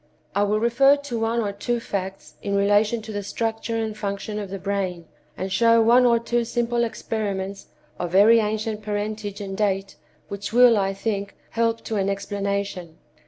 I will refer to one or two facts in relation to the structure and function of the brain, and show one or two simple experiments of very ancient parentage and date, which will, I think, help to an explanation.